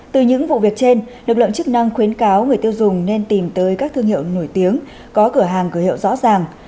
từ những vụ việc trên lực lượng chức năng khuyến cáo người tiêu dùng nên tìm tới các thương hiệu nổi tiếng có cửa hàng cửa hiệu rõ ràng